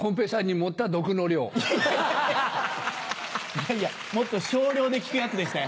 いやいやもっと少量で効くやつでしたよ。